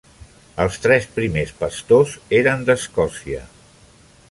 Els tres primers pastors eren d'Escòcia.